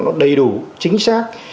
nó đầy đủ chính xác